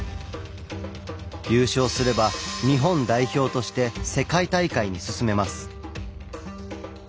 優勝すれば日本代表として世界大会に進めます。